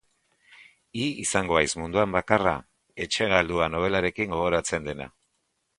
Hi izango haiz munduan bakarra Etxe galdua nobelarekin gogoratzen dena.